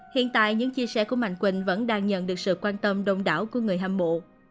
hiện tại những chia sẻ của mạnh quỳnh vẫn đang nhận được sự quan tâm đông đảo của người hâm mộ